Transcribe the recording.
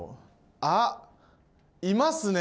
あっいますね。